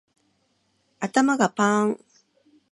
頭がパーン